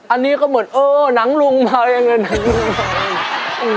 อันนี้ก็เหมือนโอ้หนังลุงมาอย่างนั้น